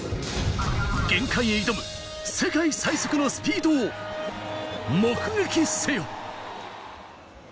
限界へ挑む世界最速のスピード王、目撃せよ。